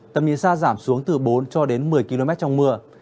tầm nhìn xa giảm xuống từ bốn cho đến một mươi km trong mưa